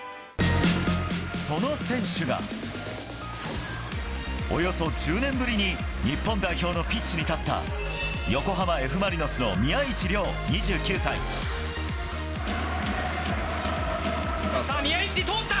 その選手が、およそ１０年ぶりに日本代表のピッチに立った、さあ、宮市に通った！